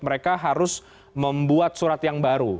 mereka harus membuat surat yang baru